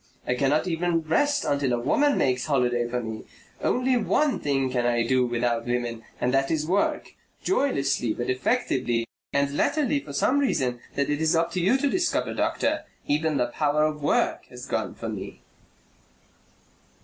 I cannot even rest until a woman makes holiday for me. Only one thing can I do without women and that is work, joylessly but effectively, and latterly for some reason that it is up to you to discover, doctor, even the power of work has gone from me."